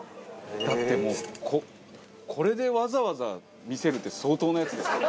だってもうこれでわざわざ見せるって相当なやつですよ。